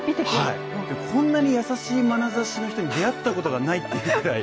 こんなに優しいまなざしの人に出会ったことがないというくらい。